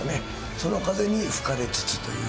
その風に吹かれつつという。